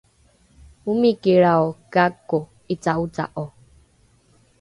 omikilrao gako ’ica’oca’o